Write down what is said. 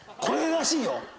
これらしいよ。